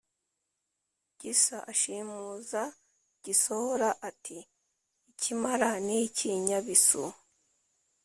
gisa ashimuza gisohora, ati: “ikimara ni iki nyabisu?”